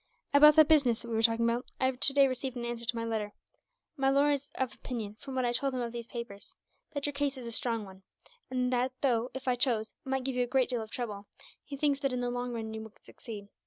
"About that business that we were talking about, I have today received an answer to my letter. My lawyer is of opinion, from what I told him of these papers, that your case is a strong one; and that though, if I chose, I might give you a great deal of trouble, he thinks that in the long run you would succeed.